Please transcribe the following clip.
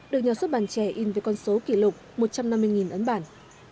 được nhà xuất bản trẻ in với con số kỷ lục một trăm năm mươi ấn bản